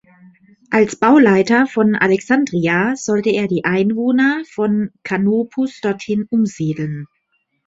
Als Bauleiter von Alexandria sollte er die Einwohner von Kanopus dorthin umsiedeln.